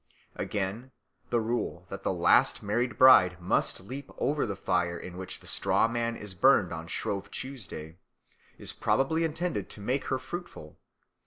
Again, the rule that the last married bride must leap over the fire in which the straw man is burned on Shrove Tuesday, is probably intended to make her fruitful.